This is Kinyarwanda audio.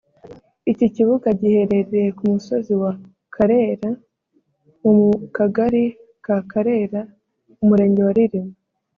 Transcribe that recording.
Iki kibuga giherereye ku musozi wa Karera mu mu kagari ka Karera Umurenge wa Ririma